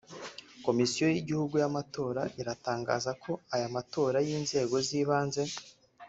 Komisiyo y’igihugu y’Amatora iratangaza ko aya matora y’inzego z’ibanze